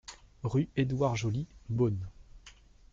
Rue Edouard Joly, Beaune